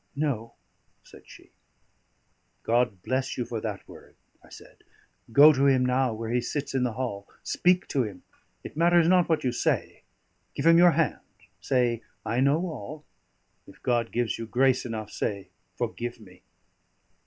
"No," said she. "God bless you for that word!" I said. "Go to him now, where he sits in the hall; speak to him it matters not what you say; give him your hand; say, 'I know all'; if God gives you grace enough, say, 'Forgive me.'"